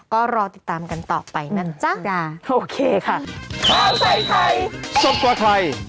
ก็รอติดตามกันต่อไปนั่นจ๊ะโอเคค่ะ